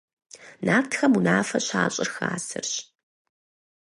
Нартхэм унафэ щащӀыр хасэрщ.